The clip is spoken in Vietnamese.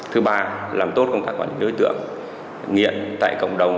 thứ ba làm tốt công tác quản lý đối tượng nghiện tại cộng đồng